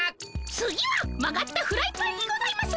次は曲がったフライパンにございます。